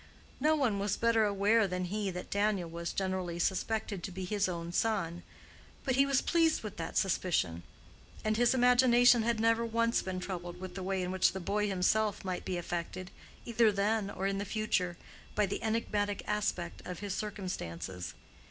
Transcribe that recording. No one was better aware than he that Daniel was generally suspected to be his own son. But he was pleased with that suspicion; and his imagination had never once been troubled with the way in which the boy himself might be affected, either then or in the future, by the enigmatic aspect of his circumstances.